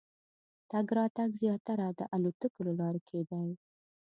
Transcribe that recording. تګ راتګ زیاتره د الوتکو له لارې کېدی.